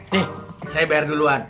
nih saya bayar duluan